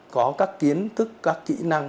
có các kiến thức các kỹ năng